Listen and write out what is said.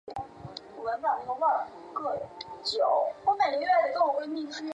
康熙五十年升任偏沅巡抚。